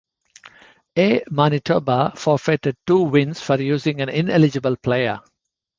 A. Manitoba forfeited two wins for using an ineligible player.